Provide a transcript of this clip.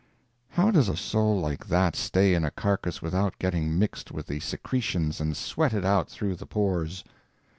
How does a soul like that stay in a carcass without getting mixed with the secretions and sweated out through the pores?